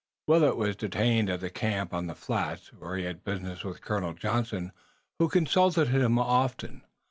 Willet was detained at the camp on the flats, where he had business with Colonel Johnson, who consulted him often.